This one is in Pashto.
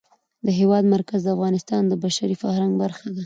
د هېواد مرکز د افغانستان د بشري فرهنګ برخه ده.